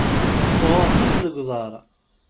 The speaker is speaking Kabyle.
Uɣeɣ-tent deg uḍar.